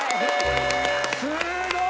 すごい！